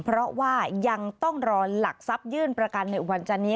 เพราะว่ายังต้องรอหลักทรัพยื่นประกันในวันจันนี้